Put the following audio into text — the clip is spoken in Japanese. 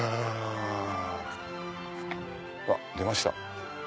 あっ出ました。